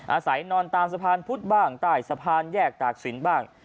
อาศัยนอนตามสะพานพุธบ้างใต้สะพานแยกตากศิลป์บ้าง